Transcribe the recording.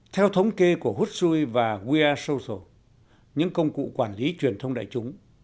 theo thống kê của hutsui và wearesocial những công cụ quản lý truyền thông đại chúng